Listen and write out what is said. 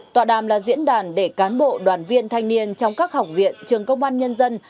tọa đàm là diễn đàn để cán bộ đoàn viên thanh niên trong các học viện trường công an nhân dân